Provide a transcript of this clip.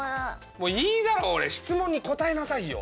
もういいだろ俺質問に答えなさいよ。